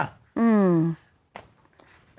อืม